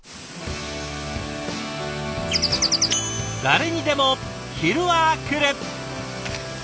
誰にでも昼はくる。